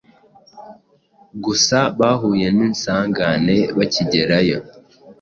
gusa bahuye n’insangane bakigerayo